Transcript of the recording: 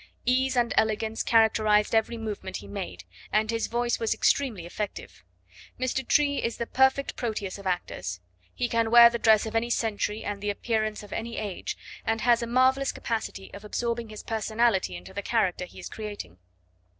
Ease and elegance characterised every movement he made, and his voice was extremely effective. Mr. Tree is the perfect Proteus of actors. He can wear the dress of any century and the appearance of any age, and has a marvellous capacity of absorbing his personality into the character he is creating.